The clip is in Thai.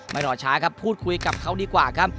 รอช้าครับพูดคุยกับเขาดีกว่าครับ